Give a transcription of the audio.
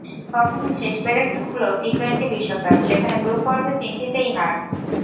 কফিনে শেষ পেরেক ঠুকল টি-টোয়েন্টি বিশ্বকাপ, সেখানে গ্রুপ পর্বের তিনটিতেই হার।